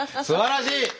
すばらしい！